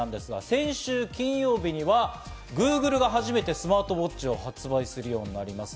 先週金曜日にはＧｏｏｇｌｅが初めてスマートウォッチを発売するようになります。